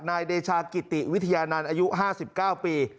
นายเดชากิติวิทยานานอายุห้าสิบเก้าปี